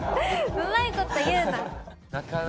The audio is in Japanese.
うまいこと言うな。